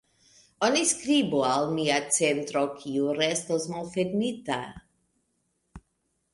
Oni skribu al mia centro kiu restos malfermita.